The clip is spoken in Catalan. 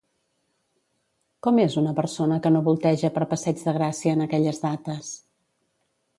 Com és una persona que no volteja per passeig de Gràcia en aquelles dates?